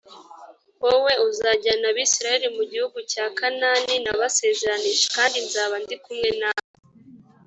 wowe uzajyana abisirayeli mu gihugu cya kanaani nabasezeranyije kandi nzaba ndi kumwe nawe